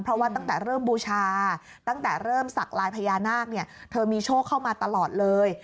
เพราะว่าตั้งแต่เริ่มบูชาตั้งแต่เริ่มสักลายพญานาคเนี่ยเธอมีโชคเข้ามาตลอดเลย